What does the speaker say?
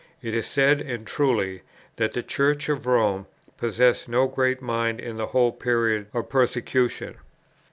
It is said, and truly, that the Church of Rome possessed no great mind in the whole period of persecution.